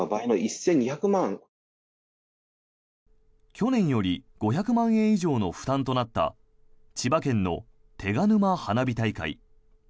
去年より５００万円以上の負担となった千葉県の手賀沼花火大会。